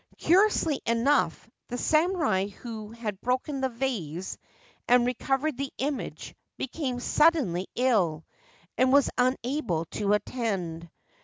Curiously enough, the samurai who had broken the vase and recovered the image became suddenly ill, and was unable to attend.